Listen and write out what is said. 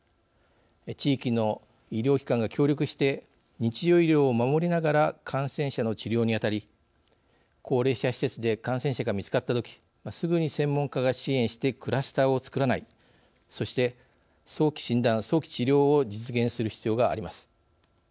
地域の医療機関が協力して日常医療を守りながら感染者の治療にあたり高齢者施設で感染者が見つかったときすぐに専門家が支援してクラスターをつくらないそして早期診断・早期治療を実現する必要があります。